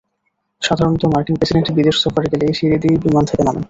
সাধারণত মার্কিন প্রেসিডেন্ট বিদেশ সফরে গেলে এই সিঁড়ি দিয়েই বিমান থেকে নামেন।